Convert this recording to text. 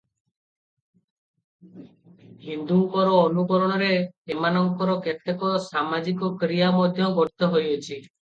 ହିନ୍ଦୁଙ୍କର ଅନୁକରଣରେ ଏମାନଙ୍କର କେତେକ ସାମାଜିକ କ୍ରିୟା ମଧ୍ୟ ଗଠିତ ହୋଇଅଛି ।